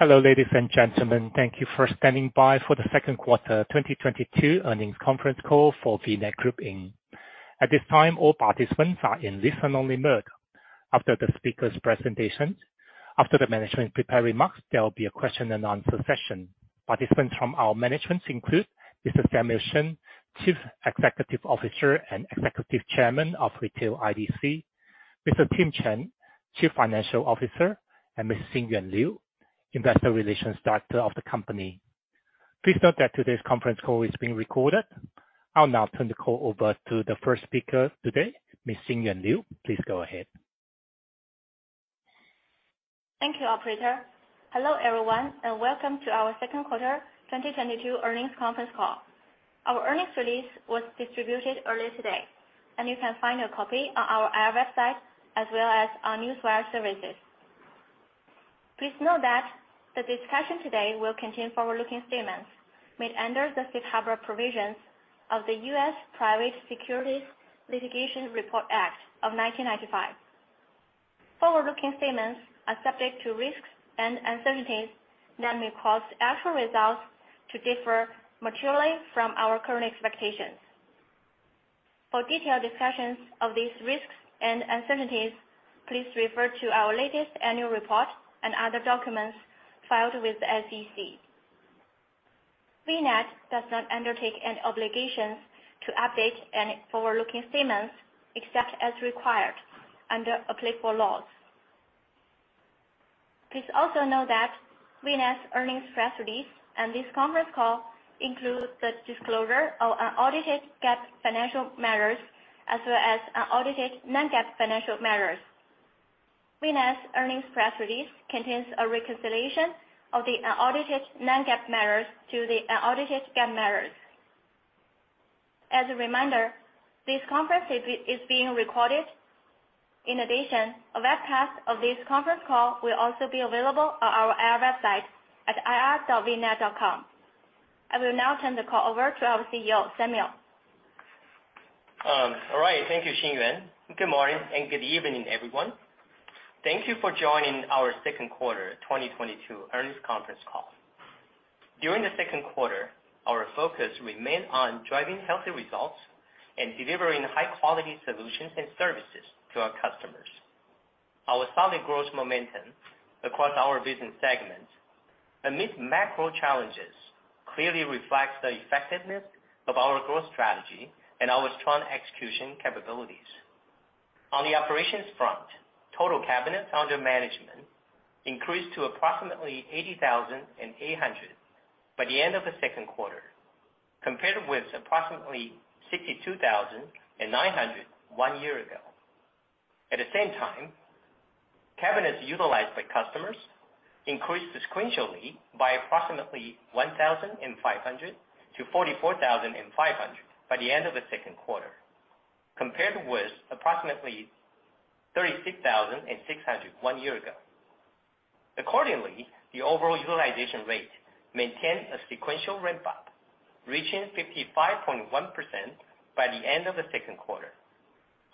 Hello, ladies and gentlemen. Thank you for standing by for the second quarter 2022 earnings conference call for VNET Group, Inc. At this time, all participants are in listen only mode. After the management prepared remarks, there will be a question and answer session. Participants from our management include Mr. Samuel Shen, Chief Executive Officer and Executive Chairman of Retail IDC, Mr. Tim Chen, Chief Financial Officer, and Miss Xinyuan Liu, Investor Relations Director of the company. Please note that today's conference call is being recorded. I'll now turn the call over to the first speaker today, Miss Xinyuan Liu. Please go ahead. Thank you, operator. Hello, everyone, and welcome to our second quarter 2022 earnings conference call. Our earnings release was distributed earlier today, and you can find a copy on our IR website as well as our newswire services. Please note that the discussion today will contain forward-looking statements made under the safe harbor provisions of the US Private Securities Litigation Reform Act of 1995. Forward-looking statements are subject to risks and uncertainties that may cause actual results to differ materially from our current expectations. For detailed discussions of these risks and uncertainties, please refer to our latest annual report and other documents filed with the SEC. VNET does not undertake any obligations to update any forward-looking statements except as required under applicable laws. Please also know that VNET's earnings press release and this conference call includes the disclosure of unaudited GAAP financial measures as well as unaudited non-GAAP financial measures. VNET's earnings press release contains a reconciliation of the unaudited non-GAAP measures to the unaudited GAAP measures. As a reminder, this conference is being recorded. In addition, a web cast of this conference call will also be available on our IR website at ir.vnet.com. I will now turn the call over to our CEO, Samuel. All right. Thank you, Xinyuan. Good morning and good evening, everyone. Thank you for joining our second quarter 2022 earnings conference call. During the second quarter, our focus remained on driving healthy results and delivering high-quality solutions and services to our customers. Our solid growth momentum across our business segments amidst macro challenges clearly reflects the effectiveness of our growth strategy and our strong execution capabilities. On the operations front, total cabinets under management increased to approximately 80,800 by the end of the second quarter, compared with approximately 62,900 one year ago. At the same time, cabinets utilized by customers increased sequentially by approximately 1,500 to 44,500 by the end of the second quarter, compared with approximately 36,600 one year ago. Accordingly, the overall utilization rate maintained a sequential ramp-up, reaching 55.1% by the end of the second quarter.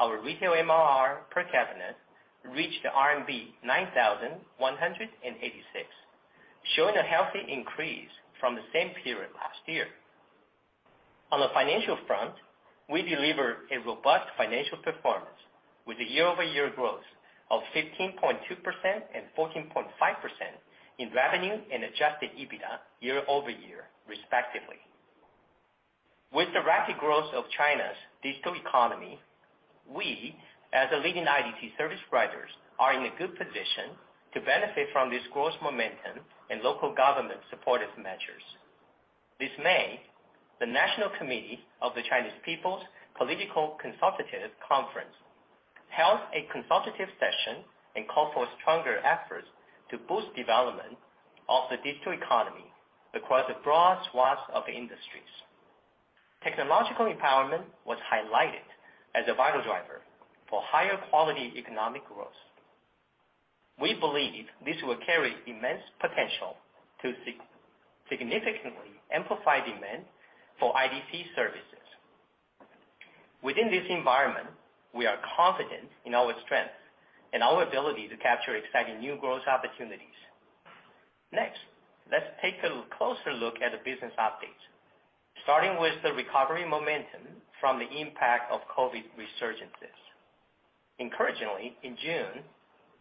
Our retail MRR per cabinet reached RMB 9,186, showing a healthy increase from the same period last year. On the financial front, we delivered a robust financial performance with a year-over-year growth of 15.2% and 14.5% in revenue and adjusted EBITDA year-over-year, respectively. With the rapid growth of China's digital economy, we, as a leading IDC service providers, are in a good position to benefit from this growth momentum and local government supportive measures. This May, the National Committee of the Chinese People's Political Consultative Conference held a consultative session and called for stronger efforts to boost development of the digital economy across the broad swaths of the industries. Technological empowerment was highlighted as a vital driver for higher quality economic growth. We believe this will carry immense potential to significantly amplify demand for IDC services. Within this environment, we are confident in our strength and our ability to capture exciting new growth opportunities. Next, let's take a closer look at the business updates, starting with the recovery momentum from the impact of COVID resurgences. Encouragingly, in June,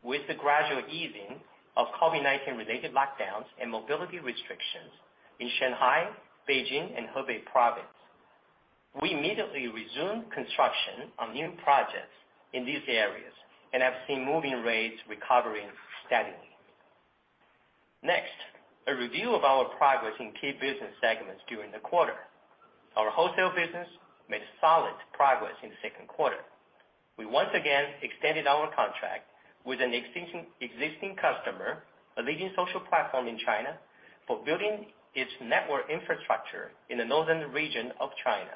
with the gradual easing of COVID-19 related lockdowns and mobility restrictions in Shanghai, Beijing and Hubei Province, we immediately resumed construction on new projects in these areas and have seen move-in rates recovering steadily. Next, a review of our progress in key business segments during the quarter. Our wholesale business made solid progress in the second quarter. We once again extended our contract with an existing customer, a leading social platform in China, for building its network infrastructure in the northern region of China.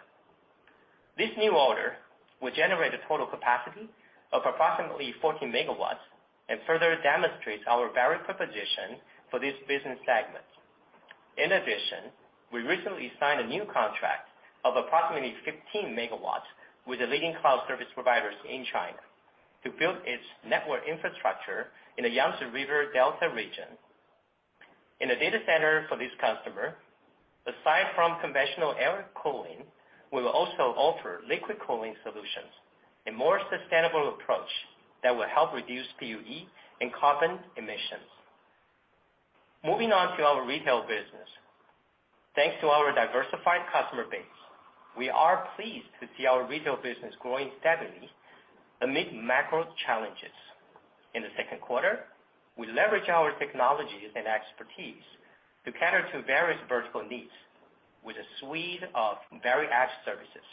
This new order will generate a total capacity of approximately 14MW and further demonstrates our value proposition for this business segment. In addition, we recently signed a new contract of approximately 15MW with the leading cloud service providers in China to build its network infrastructure in the Yangtze River Delta region. In the data center for this customer, aside from conventional air cooling, we will also offer liquid cooling solutions, a more sustainable approach that will help reduce PUE and carbon emissions. Moving on to our retail business. Thanks to our diversified customer base, we are pleased to see our retail business growing steadily amid macro challenges. In the second quarter, we leveraged our technologies and expertise to cater to various vertical needs with a suite of varied services.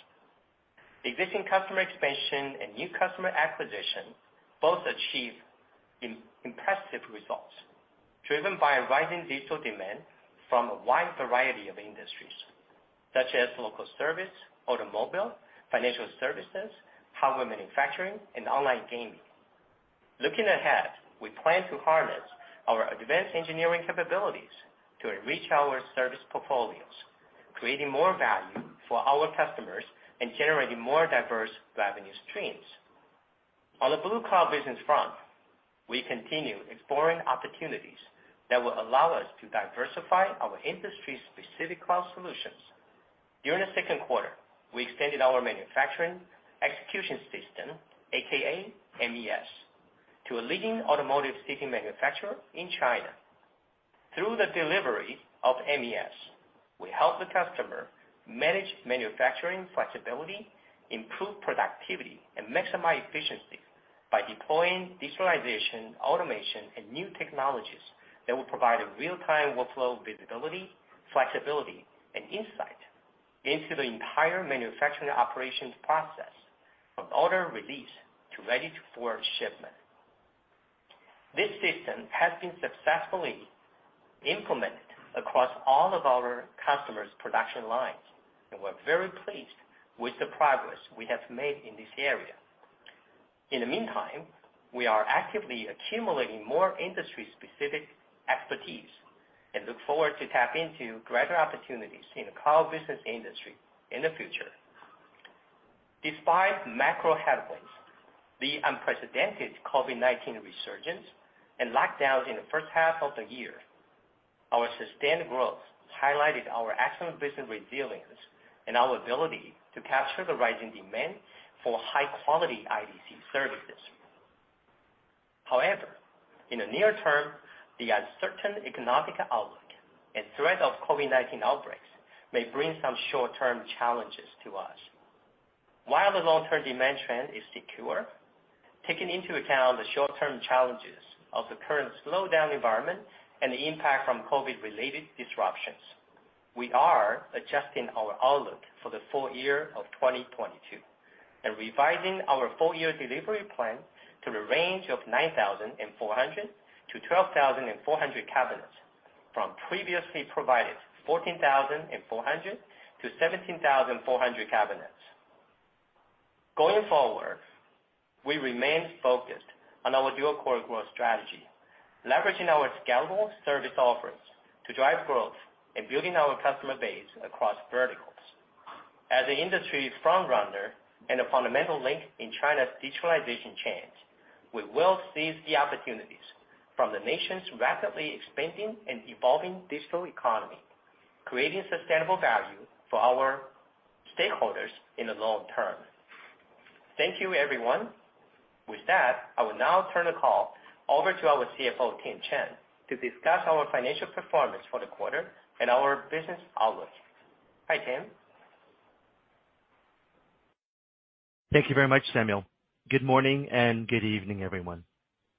Existing customer expansion and new customer acquisition both achieved impressive results, driven by a rising digital demand from a wide variety of industries such as local service, automobile, financial services, hardware manufacturing, and online gaming. Looking ahead, we plan to harness our advanced engineering capabilities to enrich our service portfolios, creating more value for our customers and generating more diverse revenue streams. On the Blue Cloud business front, we continue exploring opportunities that will allow us to diversify our industry-specific cloud solutions. During the second quarter, we extended our manufacturing execution system, aka MES, to a leading automotive seating manufacturer in China. Through the delivery of MES, we help the customer manage manufacturing flexibility, improve productivity, and maximize efficiency by deploying digitalization, automation, and new technologies that will provide a real-time workflow visibility, flexibility, and insight into the entire manufacturing operations process from order release to ready for shipment. This system has been successfully implemented across all of our customers' production lines, and we're very pleased with the progress we have made in this area. In the meantime, we are actively accumulating more industry-specific expertise and look forward to tap into greater opportunities in the cloud business industry in the future. Despite macro headwinds, the unprecedented COVID-19 resurgence and lockdowns in the first half of the year, our sustained growth highlighted our excellent business resilience and our ability to capture the rising demand for high-quality IDC services. However, in the near term, the uncertain economic outlook and threat of COVID-19 outbreaks may bring some short-term challenges to us. While the long-term demand trend is secure, taking into account the short-term challenges of the current slowdown environment and the impact from COVID-related disruptions, we are adjusting our outlook for the full year of 2022 and revising our full-year delivery plan to the range of 9,400-12,400 cabinets from previously provided 14,400-17,400 cabinets. Going forward, we remain focused on our dual-core growth strategy, leveraging our scalable service offerings to drive growth and building our customer base across verticals. As an industry frontrunner and a fundamental link in China's digitalization change, we will seize the opportunities from the nation's rapidly expanding and evolving digital economy, creating sustainable value for our stakeholders in the long term. Thank you, everyone. With that, I will now turn the call over to our CFO, Tim Chen, to discuss our financial performance for the quarter and our business outlook. Hi, Tim. Thank you very much, Samuel. Good morning and good evening, everyone.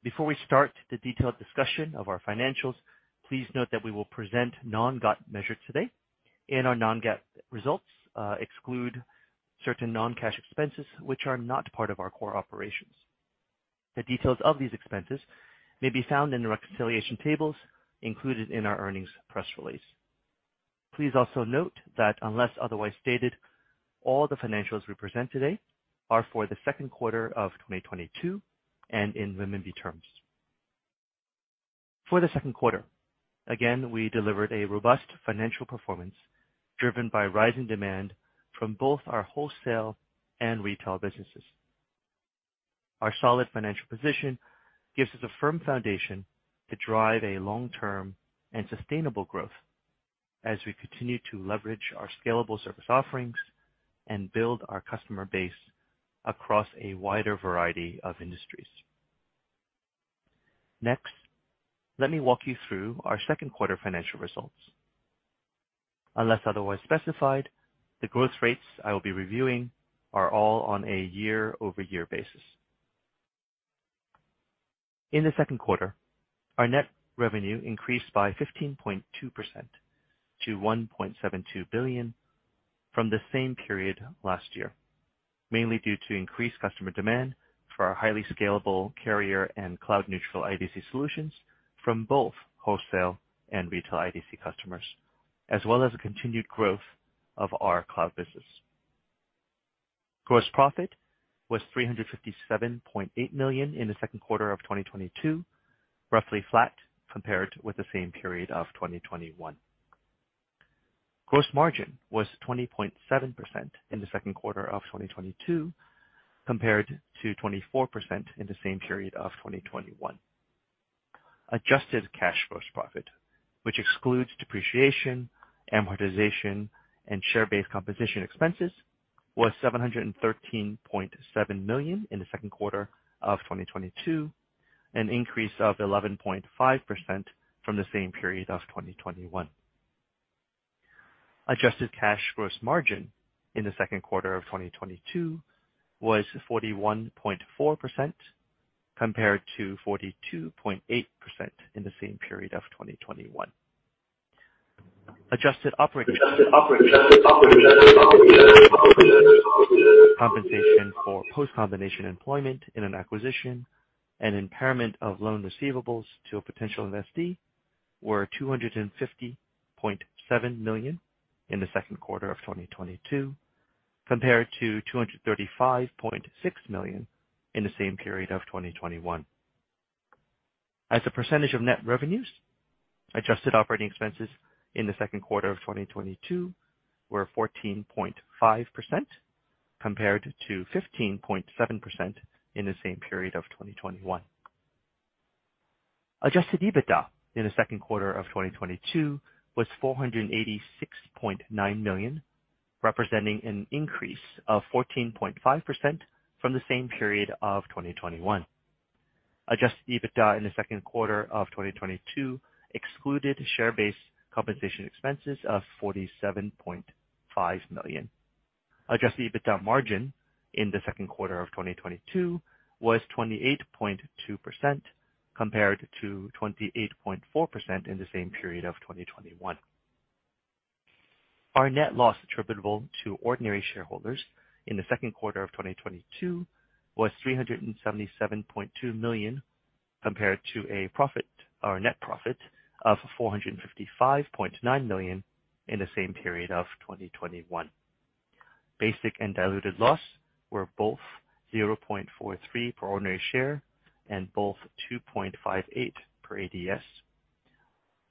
Before we start the detailed discussion of our financials, please note that we will present non-GAAP measures today, and our non-GAAP results exclude certain non-cash expenses which are not part of our core operations. The details of these expenses may be found in the reconciliation tables included in our earnings press release. Please also note that unless otherwise stated, all the financials we present today are for the second quarter of 2022 and in renminbi terms. For the second quarter, again, we delivered a robust financial performance driven by rising demand from both our wholesale and retail businesses. Our solid financial position gives us a firm foundation to drive a long-term and sustainable growth as we continue to leverage our scalable service offerings and build our customer base across a wider variety of industries. Next, let me walk you through our second quarter financial results. Unless otherwise specified, the growth rates I will be reviewing are all on a year-over-year basis. In the second quarter, our net revenue increased by 15.2% to RMB 1.72 billion from the same period last year, mainly due to increased customer demand for our highly scalable carrier- and cloud-neutral IDC solutions from both wholesale and retail IDC customers, as well as the continued growth of our cloud business. Gross profit was RMB 357.8 million in the second quarter of 2022, roughly flat compared with the same period of 2021. Gross margin was 20.7% in the second quarter of 2022, compared to 24% in the same period of 2021. Adjusted cash gross profit, which excludes depreciation, amortization, and share-based compensation expenses, was 713.7 million in the second quarter of 2022, an increase of 11.5% from the same period of 2021. Adjusted cash gross margin in the second quarter of 2022 was 41.4%, compared to 42.8% in the same period of 2021. Adjusted operating expenses, which included post-combination employment compensation in an acquisition and impairment of loan receivables to a potential investee, were 250.7 million in the second quarter of 2022, compared to 235.6 million in the same period of 2021. As a percentage of net revenues, adjusted operating expenses in the second quarter of 2022 were 14.5%, compared to 15.7% in the same period of 2021. Adjusted EBITDA in the second quarter of 2022 was 486.9 million, representing an increase of 14.5% from the same period of 2021. Adjusted EBITDA in the second quarter of 2022 excluded share-based compensation expenses of 47.5 million. Adjusted EBITDA margin in the second quarter of 2022 was 28.2%, compared to 28.4% in the same period of 2021. Our net loss attributable to ordinary shareholders in the second quarter of 2022 was 377.2 million, compared to a profit or net profit of 455.9 million in the same period of 2021. Basic and diluted loss were both 0.43 per ordinary share and both 2.58 per ADS.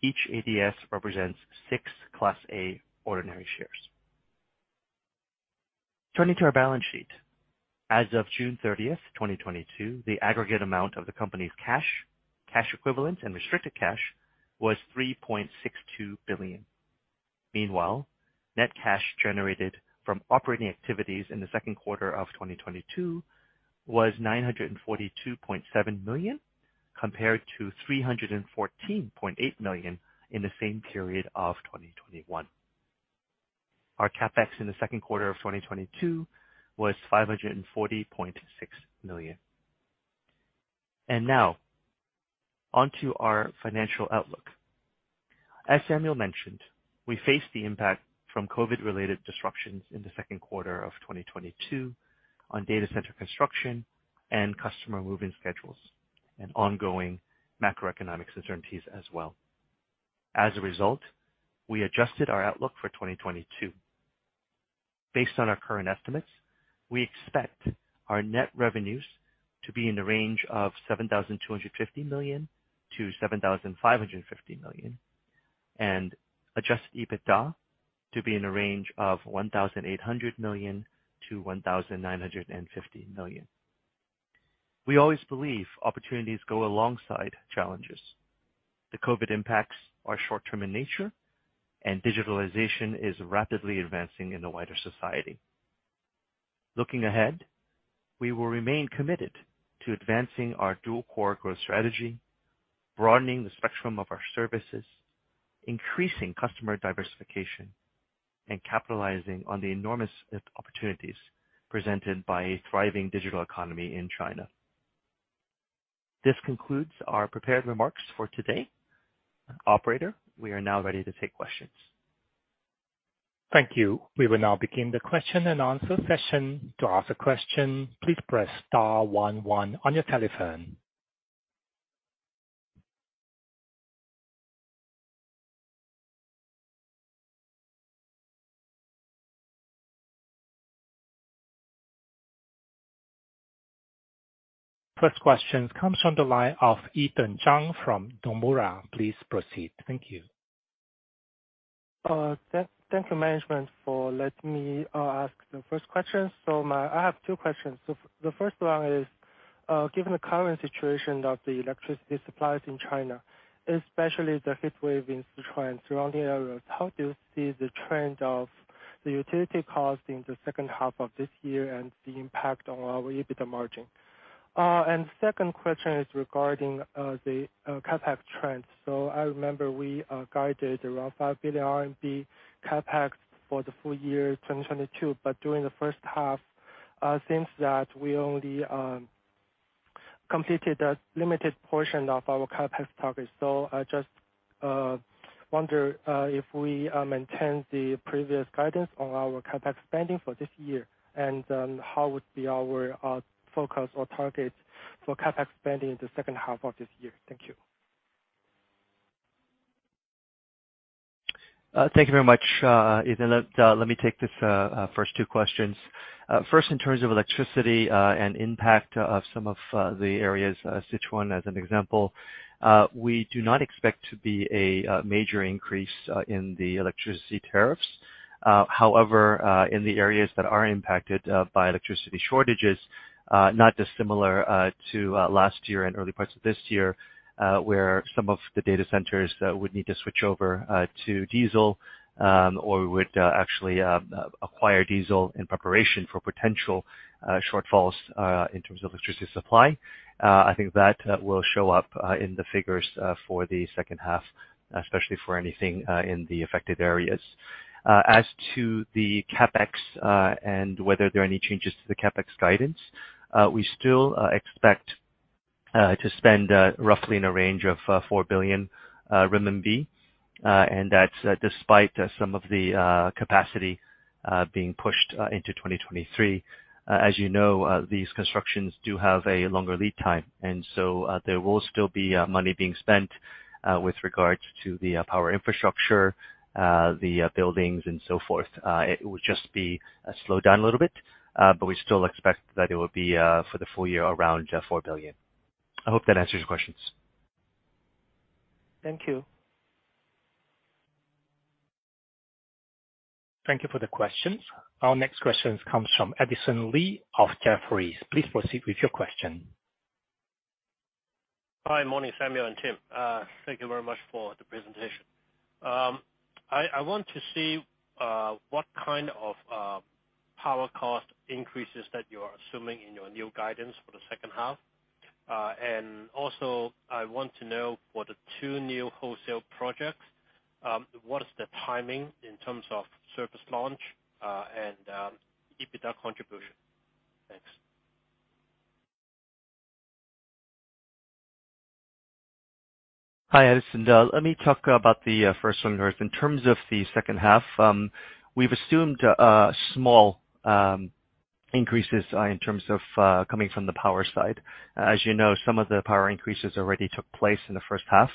Each ADS represents six class A ordinary shares. Turning to our balance sheet. As of June 13th, 2022, the aggregate amount of the company's cash equivalent and restricted cash was 3.62 billion. Meanwhile, net cash generated from operating activities in the second quarter of 2022 was 942.7 million, compared to 314.8 million in the same period of 2021. Our CapEx in the second quarter of 2022 was 540.6 million. Now onto our financial outlook. As Samuel mentioned, we face the impact from COVID-related disruptions in the second quarter of 2022 on data center construction and customer moving schedules, and ongoing macroeconomic uncertainties as well. As a result, we adjusted our outlook for 2022. Based on our current estimates, we expect our net revenues to be in the range of 7,250 million-7,550 million, and adjusted EBITDA to be in a range of 1,800 million-1,950 million. We always believe opportunities go alongside challenges. The COVID impacts are short-term in nature, and digitalization is rapidly advancing in the wider society. Looking ahead, we will remain committed to advancing our dual-core growth strategy, broadening the spectrum of our services, increasing customer diversification, and capitalizing on the enormous opportunities presented by a thriving digital economy in China. This concludes our prepared remarks for today. Operator, we are now ready to take questions. Thank you. We will now begin the question and answer session. To ask a question, please press star one one on your telephone. First question comes from the line of Ethan Zhang from Nomura. Please proceed. Thank you. Thank you management for letting me ask the first question. I have two questions. The first one is, given the current situation of the electricity suppliers in China, especially the heat wave in Sichuan and surrounding areas, how do you see the trend of the utility cost in the second half of this year and the impact on our EBITDA margin? The second question is regarding the CapEx trends. I remember we guided around 5 billion RMB CapEx for the full year 2022, but during the first half, since that we only completed a limited portion of our CapEx targets. I just wonder if we maintain the previous guidance on our CapEx spending for this year, and how would be our focus or targets for CapEx spending in the second half of this year? Thank you. Thank you very much, Ethan. Let me take this first two questions. First in terms of electricity and impact of some of the areas, Sichuan as an example, we do not expect to be a major increase in the electricity tariffs. However, in the areas that are impacted by electricity shortages, not dissimilar to last year and early parts of this year, where some of the data centers would need to switch over to diesel, or we would actually acquire diesel in preparation for potential shortfalls in terms of electricity supply. I think that will show up in the figures for the second half, especially for anything in the affected areas. As to the CapEx and whether there are any changes to the CapEx guidance, we still expect to spend roughly in a range of 4 billion renminbi. That's despite some of the capacity being pushed into 2023. As you know, these constructions do have a longer lead time. There will still be money being spent with regards to the power infrastructure, the buildings and so forth. It will just be slowed down a little bit, but we still expect that it will be for the full year around 4 billion. I hope that answers your questions. Thank you. Thank you for the questions. Our next question comes from Edison Lee of Jefferies. Please proceed with your question. Hi. Morning, Samuel and Tim. Thank you very much for the presentation. I want to see what kind of power cost increases that you are assuming in your new guidance for the second half. Also I want to know for the two new wholesale projects, what is the timing in terms of service launch, and EBITDA contribution? Thanks. Hi, Edison. Let me talk about the first one first. In terms of the second half, we've assumed small increases in terms of coming from the power side. As you know, some of the power increases already took place in the first half.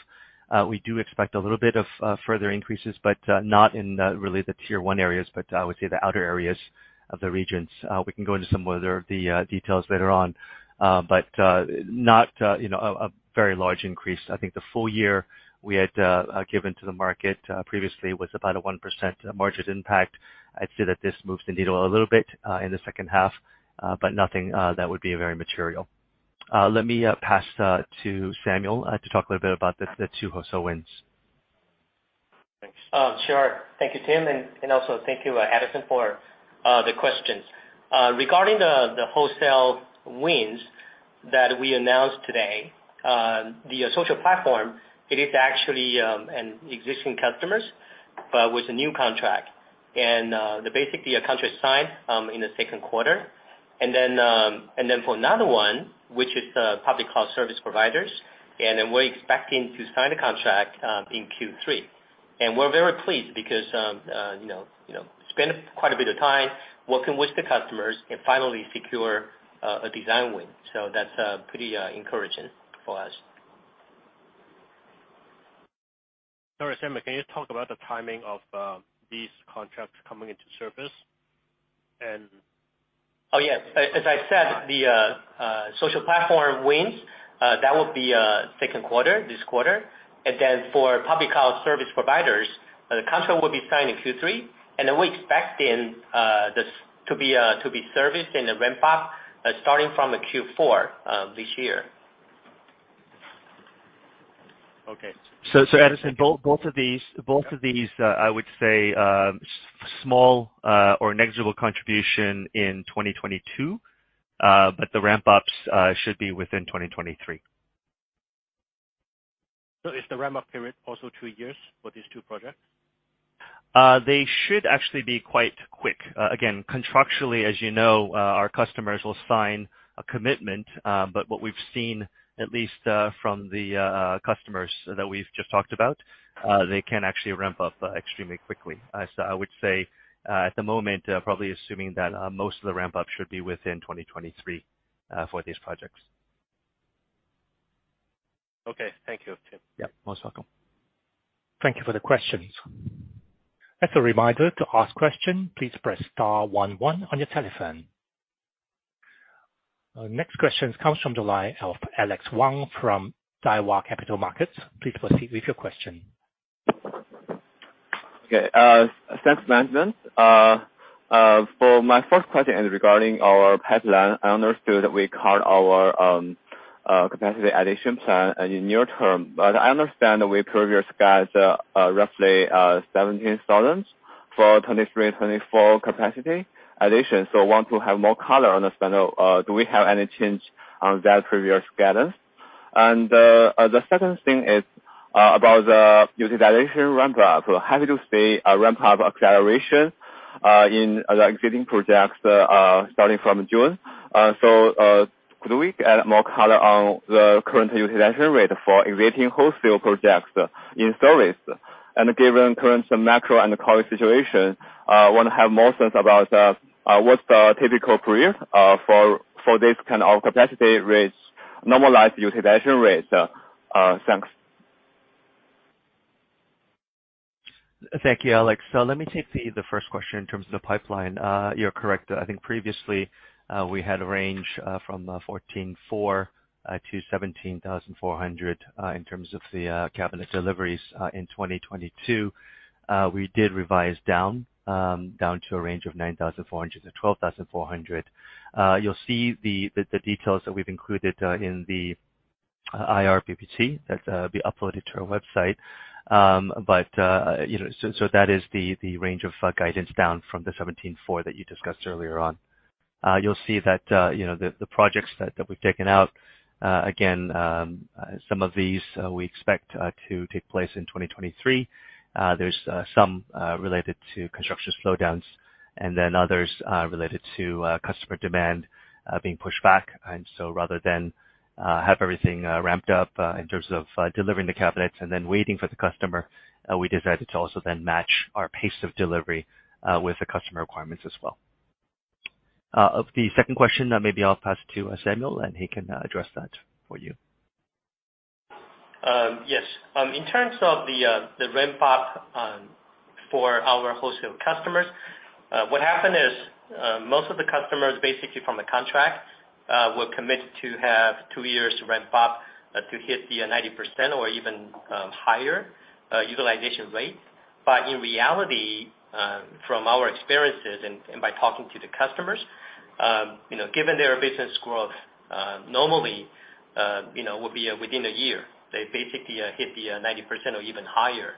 We do expect a little bit of further increases, but not really in the tier one areas, but I would say the outer areas of the regions. We can go into some of the other details later on. Not you know a very large increase. I think the full year we had given to the market previously was about a 1% margin impact. I'd say that this moves the needle a little bit in the second half, but nothing that would be very material. Let me pass to Samuel to talk a little bit about the two wholesale wins. Thanks. Sure. Thank you, Tim, and also thank you, Edison, for the questions. Regarding the wholesale wins that we announced today, the social platform, it is actually an existing customer, but with a new contract. Basically, a contract signed in the second quarter. Then for another one, which is the public cloud service providers, we're expecting to sign a contract in Q3. We're very pleased because you know spend quite a bit of time working with the customers and finally secure a design win. That's pretty encouraging for us. Sorry, Samuel, can you talk about the timing of these contracts coming into service and- Oh, yes. As I said, the social platform wins, that would be second quarter, this quarter. For public cloud service providers, the contract will be signed in Q3, and then we expect then this to be serviced in the ramp-up starting from the Q4 this year. Okay. Edison, both of these, I would say, small or negligible contribution in 2022, but the ramp-ups should be within 2023. Is the ramp-up period also two years for these two projects? They should actually be quite quick. Again, contractually, as you know, our customers will sign a commitment, but what we've seen, at least, from the customers that we've just talked about, they can actually ramp up extremely quickly. I would say, at the moment, probably assuming that most of the ramp-up should be within 2023 for these projects. Okay. Thank you, Tim. Yeah. Most welcome. Thank you for the questions. As a reminder, to ask question, please press star one one on your telephone. Next question comes from the line of Alex Wang from Daiwa Capital Markets. Please proceed with your question. Okay. Thanks, management. For my first question is regarding our pipeline. I understood we cut our capacity addition plan in near term, but I understand our previous guidance, roughly, 17,000 for 2023/2024 capacity addition. Want to have more color on this and do we have any change on that previous guidance? The second thing is about the utilization ramp up. Happy to see a ramp-up acceleration in the existing projects starting from June. Could we get more color on the current utilization rate for existing wholesale projects in service? Given current macro and current situation, wanna have more sense about what's the typical curve for this kind of capacity rates? Normalized utilization rates. Thanks. Thank you, Alex. Let me take the first question in terms of the pipeline. You're correct. I think previously we had a range from 14,400-17,400 in terms of the cabinet deliveries in 2022. We did revise down to a range of 9,400-12,400. You'll see the details that we've included in the IR PPT that will be uploaded to our website. But you know, that is the range of guidance down from the 17,400 that you discussed earlier on. You'll see that you know, the projects that we've taken out again, some of these we expect to take place in 2023. There's some related to construction slowdowns, and then others related to customer demand being pushed back. Rather than have everything ramped up in terms of delivering the cabinets and then waiting for the customer, we decided to also then match our pace of delivery with the customer requirements as well. Of the second question, maybe I'll pass to Samuel Shen, and he can address that for you. Yes. In terms of the ramp up for our wholesale customers, what happened is most of the customers, basically from the contract, were committed to have two years to ramp up to hit the 90% or even higher utilization rate. In reality, from our experiences and by talking to the customers, you know, given their business growth, normally, you know, will be within a year, they basically hit the 90% or even higher.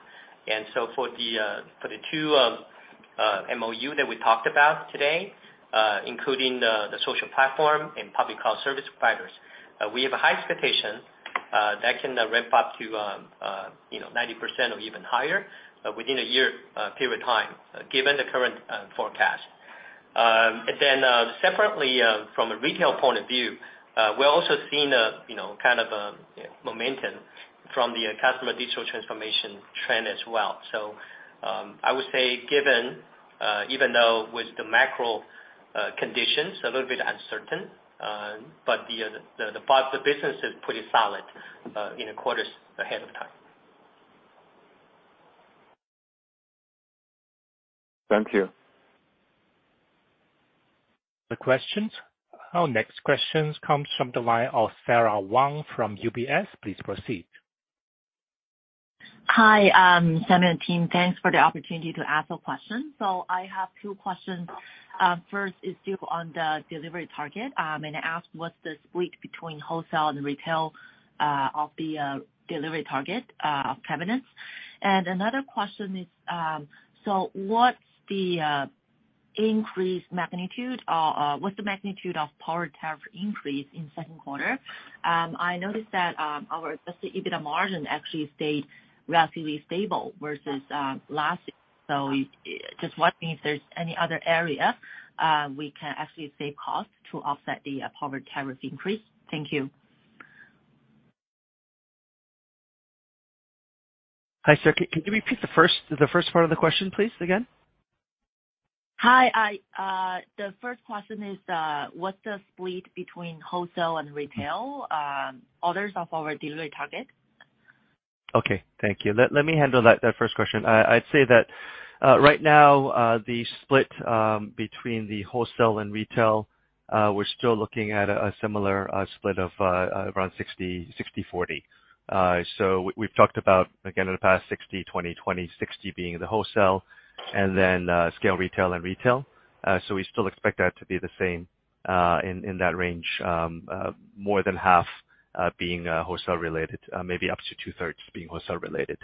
For the two MOU that we talked about today, including the social platform and public cloud service providers, we have a high expectation that can ramp up to, you know, 90% or even higher within a year period of time given the current forecast. Separately, from a retail point of view, we're also seeing a you know kind of momentum from the customer digital transformation trend as well. I would say given even though with the macro conditions a little bit uncertain, but the parts of business is pretty solid in the quarters ahead of time. Thank you. The questions. Our next questions comes from the line of Sara Wang from UBS. Please proceed. Hi, Samuel and team. Thanks for the opportunity to ask a question. I have two questions. First is still on the delivery target, and ask what's the split between wholesale and retail of the delivery target of cabinets? Another question is, what's the magnitude of power tariff increase in second quarter? I noticed that our adjusted EBITDA margin actually stayed relatively stable versus last. Just wondering if there's any other area we can actually save costs to offset the power tariff increase. Thank you. Hi, Sara. Can you repeat the first part of the question, please, again? Hi. The first question is, what's the split between wholesale and retail orders of our delivery target? Okay. Thank you. Let me handle that first question. I'd say that right now the split between the wholesale and retail we're still looking at a similar split of around 60/40. We've talked about again in the past 60/20/60 being the wholesale and retail. We still expect that to be the same in that range, more than half being wholesale related, maybe up to two-thirds being wholesale related.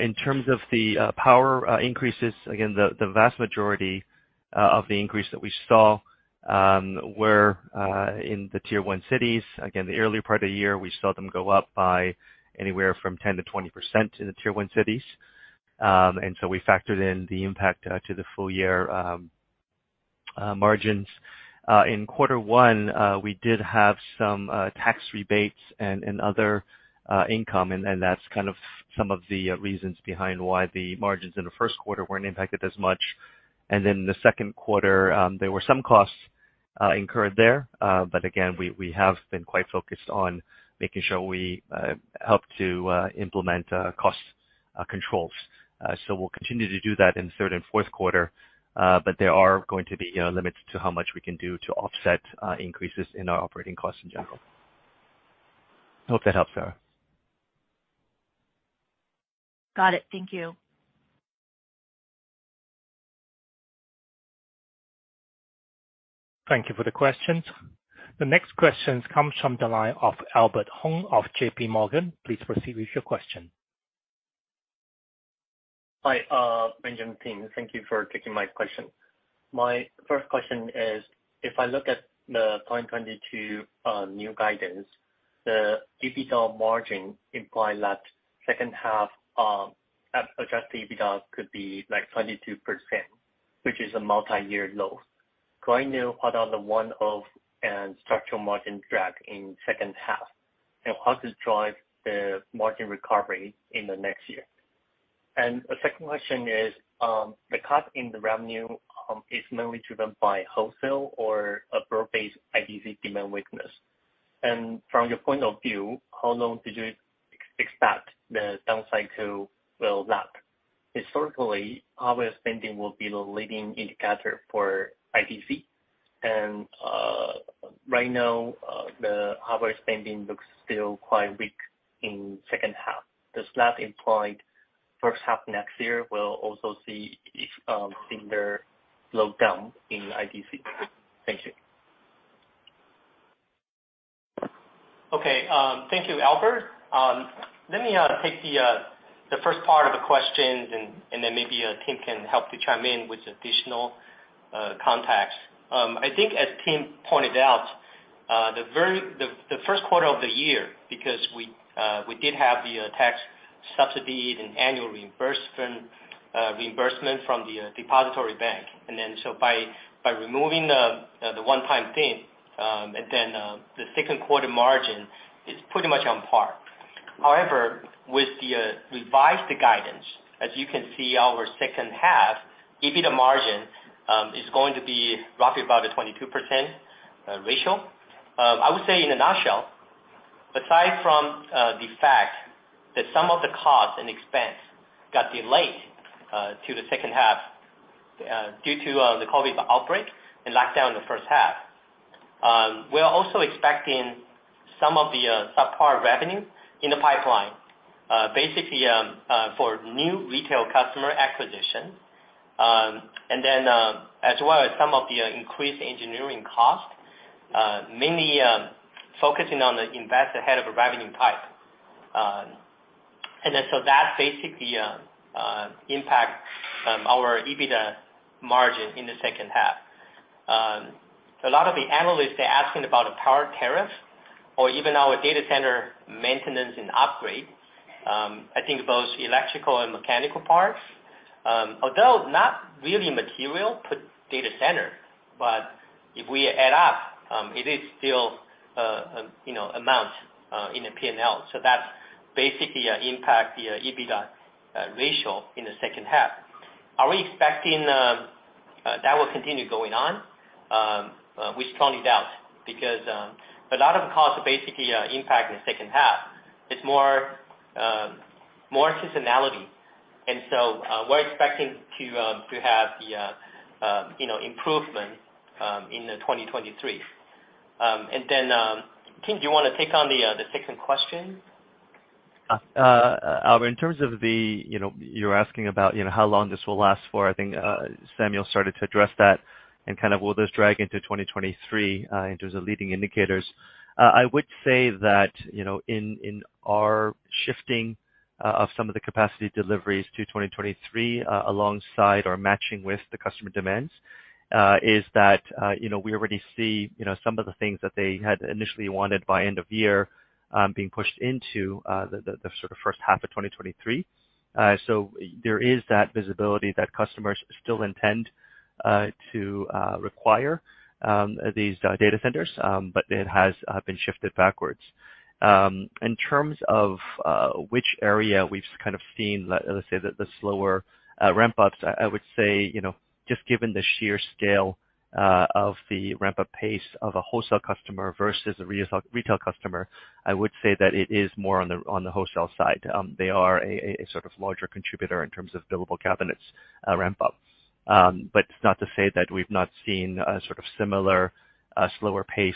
In terms of the power increases, again, the vast majority of the increase that we saw were in the tier one cities. Again, the earlier part of the year, we saw them go up by anywhere from 10%-20% in the tier one cities. We factored in the impact to the full year margins. In quarter one, we did have some tax rebates and other income, and that's kind of some of the reasons behind why the margins in the first quarter weren't impacted as much. The second quarter, there were some costs incurred there. Again, we have been quite focused on making sure we help to implement cost controls. We'll continue to do that in third and fourth quarter, but there are going to be, you know, limits to how much we can do to offset increases in our operating costs in general. Hope that helps, Sarah. Got it. Thank you. Thank you for the questions. The next question comes from the line of Albert Hung of JPMorgan. Please proceed with your question. Hi, management team. Thank you for taking my question. My first question is, if I look at the 2022 new guidance, the EBITDA margin imply that second half adjusted EBITDA could be like 22%, which is a multiyear low. Can I know what are the one-off and structural margin drag in second half, and what is drive the margin recovery in the next year? The second question is, the cut in the revenue is mainly driven by wholesale or a broad-based IDC demand weakness. From your point of view, how long did you expect the down cycle will last? Historically, hardware spending will be the leading indicator for IDC. Right now, the hardware spending looks still quite weak in second half. Does that imply first half next year will also see similar slowdown in the IDC? Thank you. Okay. Thank you, Albert. Let me take the first part of the questions and then maybe Tim can help to chime in with additional context. I think as Tim pointed out, the first quarter of the year, because we did have the tax subsidy and annual reimbursement from the depository bank. By removing the one-time thing, the second quarter margin is pretty much on par. However, with the revised guidance, as you can see our second half EBITDA margin is going to be roughly about a 22% ratio. I would say in a nutshell, aside from the fact that some of the costs and expense got delayed to the second half due to the COVID outbreak and lockdown in the first half, we're also expecting some of the subpar revenue in the pipeline basically for new retail customer acquisition, as well as some of the increased engineering costs mainly focusing on the investment ahead of a revenue pipeline. That basically impact our EBITDA margin in the second half. A lot of the analysts are asking about the power tariff or even our data center maintenance and upgrade. I think both electrical and mechanical parts, although not really material per data center, but if we add up, it is still, you know, amount in the P&L. That basically impact the EBITDA ratio in the second half. Are we expecting that will continue going on? We strongly doubt because a lot of the costs are basically impact in the second half. It's more seasonality. We're expecting to have the, you know, improvement in 2023. Tim, do you wanna take on the second question? Albert Hung, in terms of the, you know, you're asking about how long this will last for. I think Samuel Shen started to address that and kind of will this drag into 2023, in terms of leading indicators. I would say that, you know, in our shifting of some of the capacity deliveries to 2023, alongside or matching with the customer demands, is that, you know, we already see some of the things that they had initially wanted by end of year, being pushed into the sort of first half of 2023. So there is that visibility that customers still intend to require these data centers, but it has been shifted backwards. In terms of which area we've kind of seen, let's say the slower ramp ups, I would say you know, just given the sheer scale of the ramp-up pace of a wholesale customer versus a retail customer, I would say that it is more on the wholesale side. They are a sort of larger contributor in terms of billable cabinets ramp up. It's not to say that we've not seen a sort of similar slower pace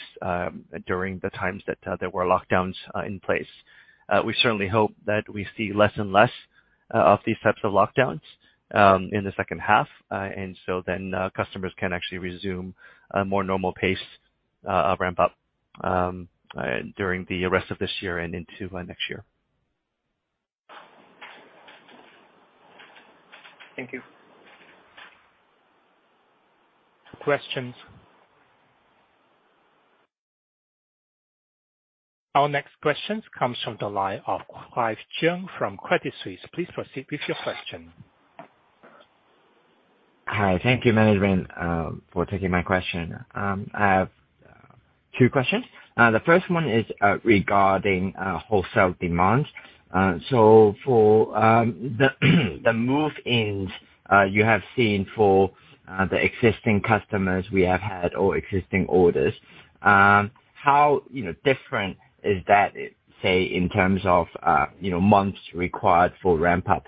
during the times that there were lockdowns in place. We certainly hope that we see less and less of these types of lockdowns in the second half. Customers can actually resume a more normal pace of ramp up during the rest of this year and into next year. Thank you. Questions? Our next question comes from the line of Clive Cheung from Credit Suisse. Please proceed with your question. Hi. Thank you, management, for taking my question. I have two questions. The first one is regarding wholesale demand. For the move-ins you have seen for the existing customers we have had or existing orders, how, you know, different is that in terms of, you know, months required for ramp up?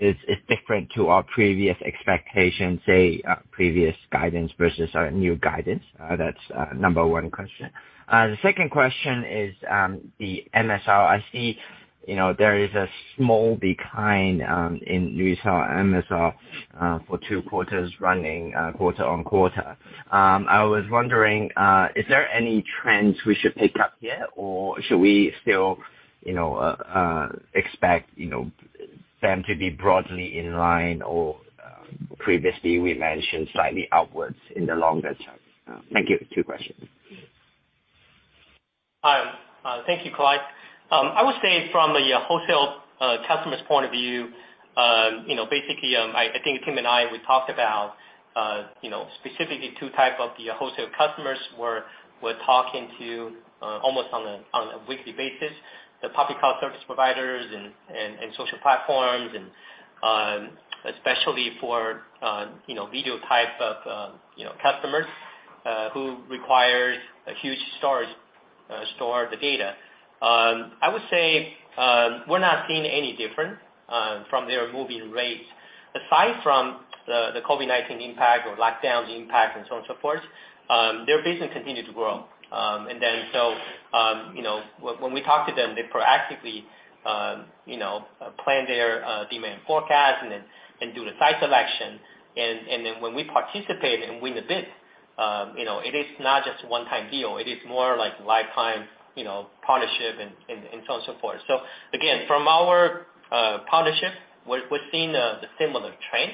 Is different to our previous expectations, say, previous guidance versus our new guidance? That's number one question. The second question is, the MRR. I see, you know, there is a small decline in new sell MRR for two quarters running, quarter-over-quarter. I was wondering, is there any trends we should pick up here? Should we still, you know, expect them to be broadly in line or, previously we mentioned slightly upwards in the longer term? Thank you. Two questions. Hi. Thank you, Clive. I would say from a wholesale customer's point of view, you know, basically, I think Tim and I, we talked about, you know, specifically two type of the wholesale customers we're talking to, almost on a weekly basis. The public cloud service providers and social platforms and, especially for, you know, video type of customers, who require a huge storage to store the data. I would say, we're not seeing any difference from their moving rates. Aside from the COVID-19 impact or lockdown impact and so on and so forth, their business continued to grow. You know, when we talk to them, they proactively, you know, plan their demand forecast and then do the site selection. When we participate and win the bid, you know, it is not just a one-time deal, it is more like lifetime partnership and so on and so forth. Again, from our partnership, we're seeing the similar trend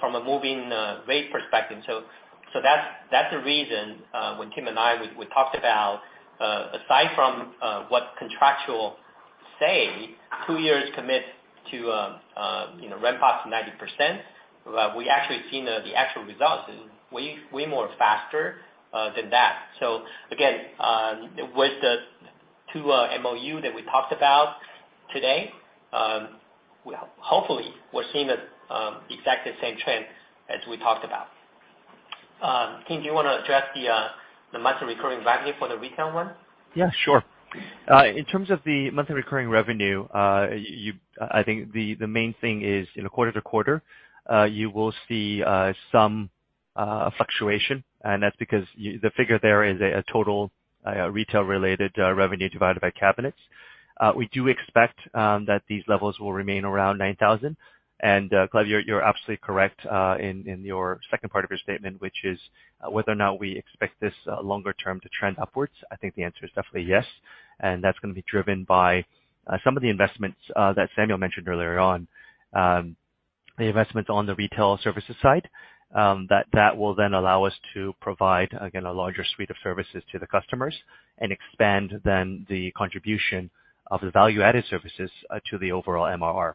from a moving rate perspective. That's the reason when Tim and I talked about, aside from what contractual say, two years commit to ramp up to 90%, we actually seen the actual results is way more faster than that. Again, with the two MOU that we talked about today, well, hopefully we're seeing exactly the same trend as we talked about. Tim, do you wanna address the monthly recurring revenue for the retail one? Yeah, sure. In terms of the monthly recurring revenue, I think the main thing is in quarter-to-quarter, you will see some fluctuation, and that's because the figure there is a total retail-related revenue divided by cabinets. We do expect that these levels will remain around 9,000. Clive, you're absolutely correct in your second part of your statement, which is whether or not we expect this longer-term to trend upwards. I think the answer is definitely yes, and that's gonna be driven by some of the investments that Samuel mentioned earlier on. The investments on the retail services side, that will then allow us to provide, again, a larger suite of services to the customers and expand then the contribution of the value added services, to the overall MRR.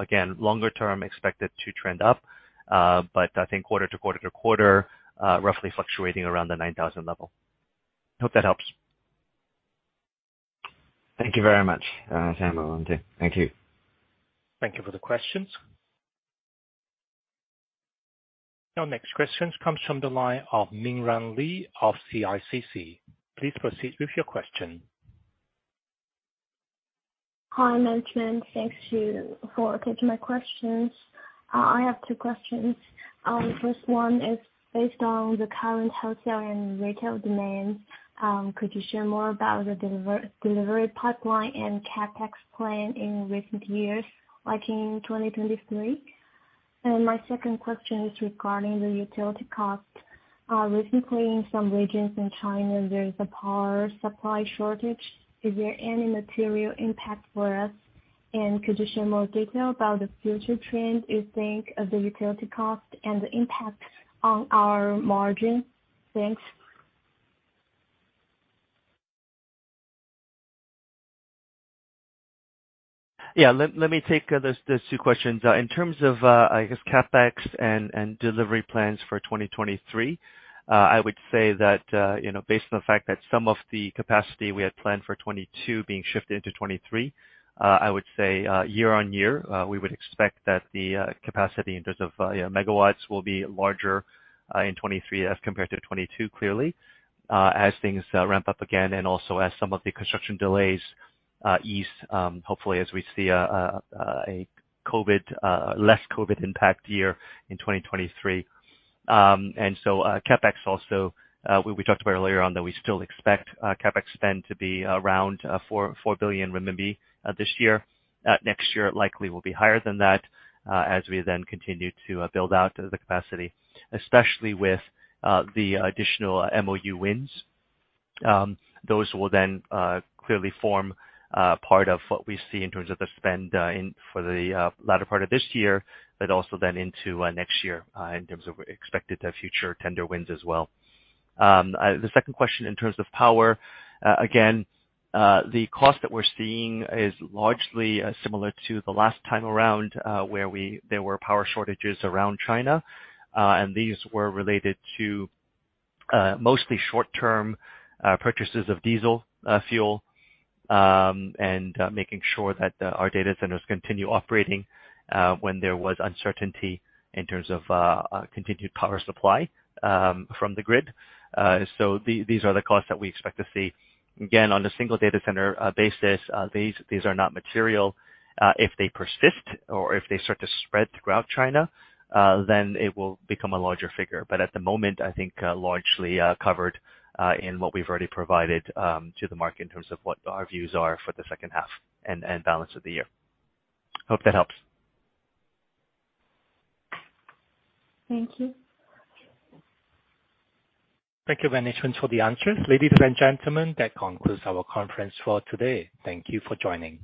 Again, longer term expected to trend up. I think quarter to quarter to quarter, roughly fluctuating around the 9,000 level. Hope that helps. Thank you very much, Sam and Tim. Thank you. Thank you for the questions. Our next question comes from the line of Mingran Li of CICC. Please proceed with your question. Hi, management. Thank you for taking my questions. I have two questions. First one is based on the current wholesale and retail demands. Could you share more about the delivery pipeline and CapEx plan in recent years, like in 2023? My second question is regarding the utility cost. Recently in some regions in China, there is a power supply shortage. Is there any material impact for us? Could you share more detail about the future trends you think of the utility cost and the impact on our margin? Thanks. Let me take those two questions. In terms of I guess CapEx and delivery plans for 2023, I would say that you know, based on the fact that some of the capacity we had planned for 2022 being shifted into 2023, I would say year-over-year we would expect that the capacity in terms of megawatts will be larger in 2023 as compared to 2022 clearly, as things ramp up again and also as some of the construction delays ease, hopefully as we see a less COVID impact year in 2023. CapEx also, we talked about earlier on that we still expect CapEx spend to be around 4 billion renminbi this year. Next year it likely will be higher than that, as we then continue to build out the capacity, especially with the additional MOU wins. Those will then clearly form part of what we see in terms of the spend for the latter part of this year, but also then into next year in terms of expected future tender wins as well. The second question in terms of power, again, the cost that we're seeing is largely similar to the last time around, where there were power shortages around China, and these were related to mostly short-term purchases of diesel fuel, and making sure that our data centers continue operating when there was uncertainty in terms of continued power supply from the grid. These are the costs that we expect to see. Again, on a single data center basis, these are not material. If they persist or if they start to spread throughout China, then it will become a larger figure. At the moment, I think largely covered in what we've already provided to the market in terms of what our views are for the second half and balance of the year. Hope that helps. Thank you. Thank you, management, for the answers. Ladies and gentlemen, that concludes our conference for today. Thank you for joining.